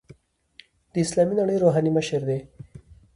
د اسلامي نړۍ روحاني مشر دی.